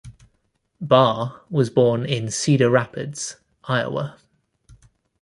Barr was born in Cedar Rapids, Iowa.